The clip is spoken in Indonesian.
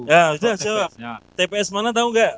ya sudah jawab tps mana tahu nggak